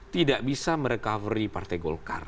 tidak bisa merecovery partai golkar